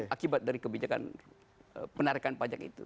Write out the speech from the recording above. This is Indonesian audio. akibat dari kebijakan penarikan pajak itu